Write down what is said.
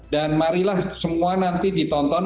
dan marilah semua nanti ditonton